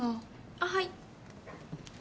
あっはい。